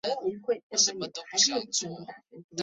破坏者尚未被捕。